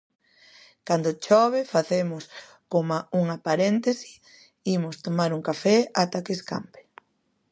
Cando chove facemos coma unha paréntese: imos tomar un café ata que escampe.